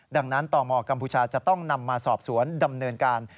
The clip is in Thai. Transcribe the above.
ดังนั้นตมกัมพูชาจะต้องนำมาสอบสวนดำเนินการ